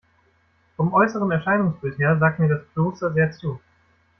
Vom äußeren Erscheinungsbild her sagt mir das Kloster sehr zu.